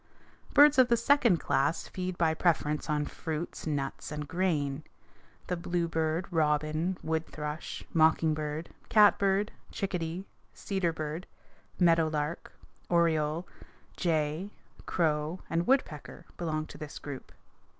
Birds of the second class feed by preference on fruits, nuts, and grain. The bluebird, robin, wood thrush, mocking bird, catbird, chickadee, cedar bird, meadow lark, oriole, jay, crow, and woodpecker belong to this group.